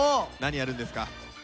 何やるんですか？